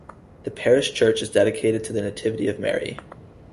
The parish church is dedicated to the Nativity of Mary.